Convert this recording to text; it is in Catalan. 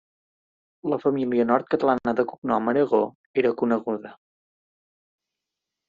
La família nord-catalana de cognom Aragó era coneguda.